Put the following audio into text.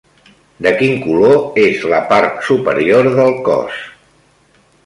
De quin color és la part superior del cos?